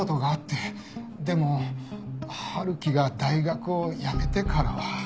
でも春樹が大学をやめてからは。